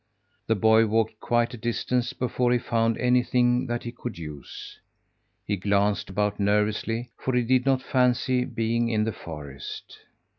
The boy walked quite a distance before he found anything that he could use. He glanced about nervously, for he did not fancy being in the forest.